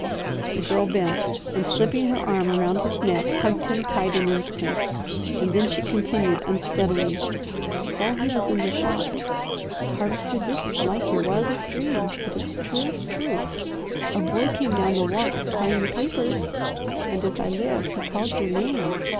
The Girl bent and slipping her arm around his neck hugged him tight an instant, and then she continued unsteadily: "While he was in the shop Harvester, this is like your wildest dream, but it's truest truth a boy came down the walk crying papers, and as I live, he called your name.